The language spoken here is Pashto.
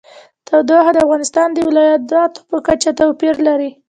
تودوخه د افغانستان د ولایاتو په کچه توپیر لري.